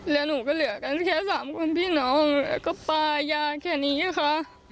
แล้วหนูก็เหลือกันแค่สามคนพี่น้องแล้วก็ปลายางแค่นี้ค่ะ